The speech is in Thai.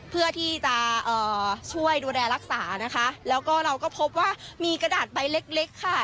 เพื่อที่จะเอ่อช่วยดูแลรักษานะคะแล้วก็เราก็พบว่ามีกระดาษใบเล็กเล็กค่ะ